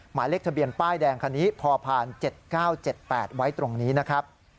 หมายเลขทะเบียนป้ายแดงคันนี้พอผ่าน๗๙๗๘ไว้ตรงนี้นะครับ